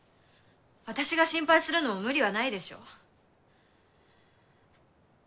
私が心配するのも無理はないでしょう。